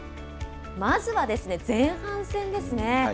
まずは前半戦ですね。